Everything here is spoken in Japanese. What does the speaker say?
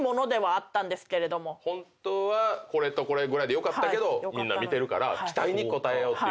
本当はこれとこれぐらいでよかったけどみんな見てるから期待に応えようって。